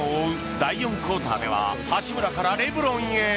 第４クオーターでは八村からレブロンへ。